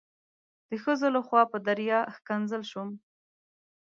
د ښځو لخوا په دریا ښکنځل شوم.